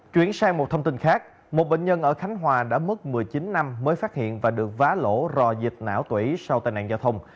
chuyển sang một thông tin khác một bệnh nhân ở khánh hòa đã mất một mươi chín năm mới phát hiện và được vá lỗ rồi dịch não tủy sau tai nạn giao thông